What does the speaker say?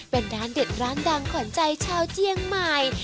เป็นร้านเด็ดร้านดังขวัญใจชาวเจียงใหม่